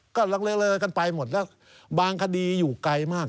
ก็เลอกันไปหมดแล้วบางคดีอยู่ไกลมาก